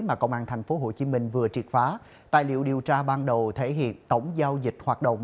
mà công an tp hcm vừa triệt phá tài liệu điều tra ban đầu thể hiện tổng giao dịch hoạt động